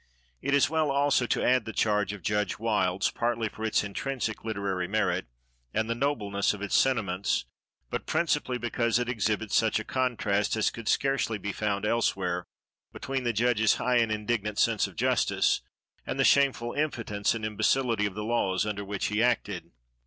It is well, also, to add the charge of Judge Wilds, partly for its intrinsic literary merit, and the nobleness of its sentiments, but principally because it exhibits such a contrast as could scarcely be found elsewhere, between the judge's high and indignant sense of justice, and the shameful impotence and imbecility of the laws under which he acted.